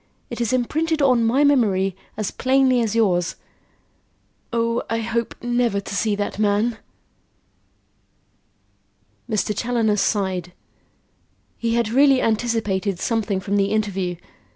It is imprinted on my memory as plainly as yours. Oh, I hope never to see that man!" Mr. Challoner sighed; he had really anticipated something from the interview.